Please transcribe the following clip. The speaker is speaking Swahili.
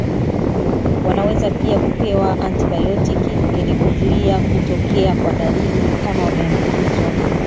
Wanaweza pia kupewa antibayotiki ili kuzuia kutokea kwa dalili kama wameambukizwa